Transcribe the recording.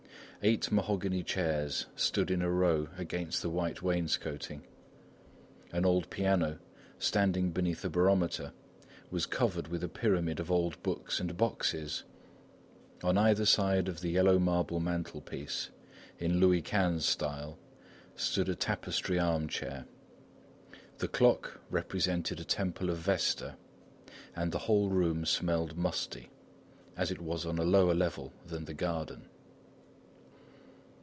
Eight mahogany chairs stood in a row against the white wainscoting. An old piano, standing beneath a barometer, was covered with a pyramid of old books and boxes. On either side of the yellow marble mantelpiece, in Louis XV style, stood a tapestry armchair. The clock represented a temple of Vesta; and the whole room smelled musty, as it was on a lower level than the garden.